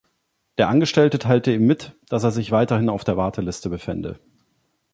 Der Angestellte teilte ihm mit, dass er sich weiterhin auf der Warteliste befände.